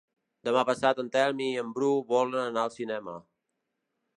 Demà passat en Telm i en Bru volen anar al cinema.